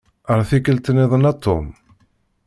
Ar tikkelt-nniḍen a Tom.